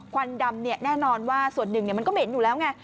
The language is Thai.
ควันดำแน่นอนว่าส่วนหนึ่งมันก็เหม็นอยู่แล้วไง